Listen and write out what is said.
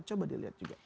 coba dilihat juga